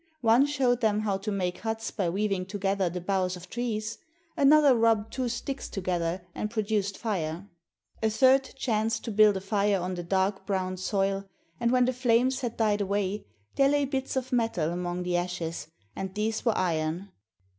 One showed them how to make huts by weaving together the boughs of trees ; another rubbed two sticks together and produced fire; a third chanced to build a fire on the dark brown soil, and when the flames had died away, there lay bits of metal among the ashes, and these were iron.